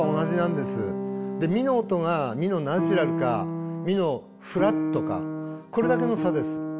でミの音がミのナチュラルかミのフラットかこれだけの差です。